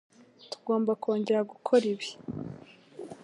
Tugomba kongera gukora ibi.